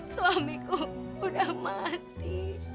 suamiku udah mati